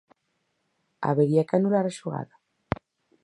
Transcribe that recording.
Habería que anular a xogada?